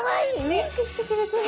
ウインクしてくれてる。